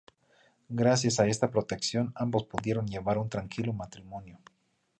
Gracias a esta protección ambos pudieron llevar un tranquilo matrimonio.